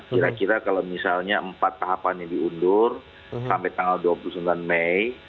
kira kira kalau misalnya empat tahapan yang diundur sampai tanggal dua puluh sembilan mei